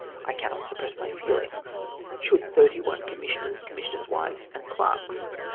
I cannot suppress my feelings. Should 31 commissioners, commissioners' wives, and clerks have 3899